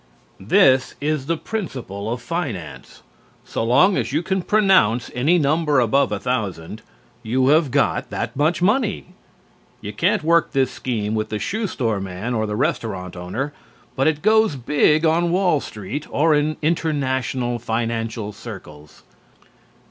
This is the principle of finance. So long as you can pronounce any number above a thousand, you have got that much money. You can't work this scheme with the shoe store man or the restaurant owner, but it goes big on Wall St. or in international financial circles.